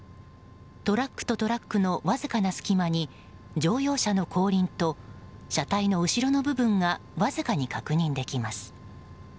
トラックとトラックのわずかな隙間に乗用車の後輪と車体の後ろの部分がわずかに確認できます。